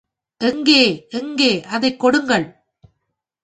எங்கே எங்கே அதைக் கொடுங்கள்!